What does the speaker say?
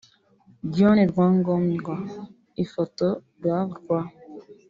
John Rwangombwa (Ifoto/GovRw)